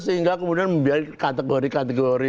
sehingga kemudian membiarkan kategori kategori